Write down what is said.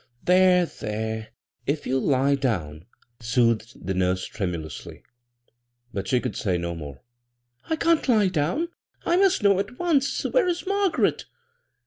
"There, there ; if you'll lie down," soothed the nurse tremulously ; but she could say no more. " I can't lie down. I must know at once. Where is Margaret